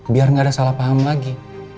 biar nggak ada salah paham lagi